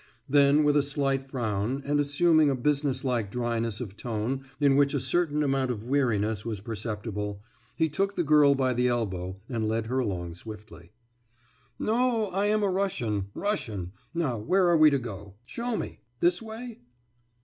Then with a slight frown, and assuming a business like dryness of tone in which a certain amount of weariness was perceptible, he took the girl by the elbow and led her along swiftly. »No, I am a Russian, Russian. Now, where are we to go? Show me! This way?